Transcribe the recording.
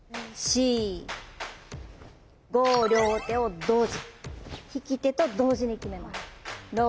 両手を同時引き手と同時に極めます。